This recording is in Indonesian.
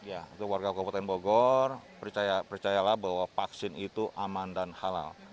ya untuk warga kabupaten bogor percayalah bahwa vaksin itu aman dan halal